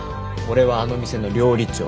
俺はあの店の料理長。